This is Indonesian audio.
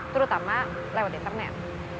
terutama lewat internet